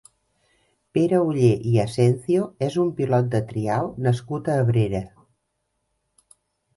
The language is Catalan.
Pere Ollé i Asencio és un pilot de trial nascut a Abrera.